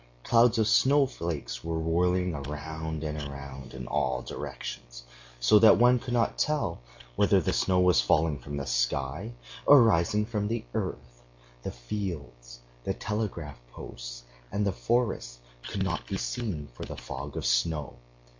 Clouds of snowflakes were whirling round and round in all directions, so that one could not tell whether the snow was falling from the sky or rising from the earth. The fields, the telegraph posts, and the forest could not be seen for the fog of snow.